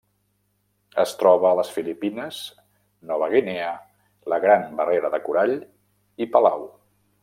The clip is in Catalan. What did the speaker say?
Es troba a les Filipines, Nova Guinea, la Gran Barrera de Corall i Palau.